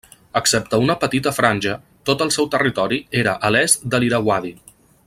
Excepte una petita franja tot el seu territori era a l'est de l'Irauadi.